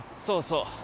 そうそう。